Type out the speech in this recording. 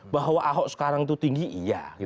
bahwa ahok sekarang itu tinggi iya